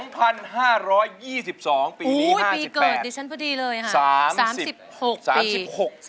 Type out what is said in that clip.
ปีนี้๕๘ปีเกิดดิฉันพอดีเลยค่ะ๓๖ปี๓๖ปี